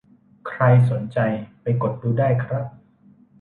ใครสนใจไปกดดูได้ครับ